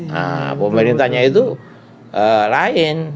nah pemerintahnya itu lain